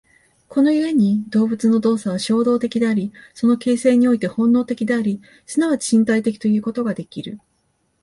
この故に動物の動作は衝動的であり、その形成において本能的であり、即ち身体的ということができる。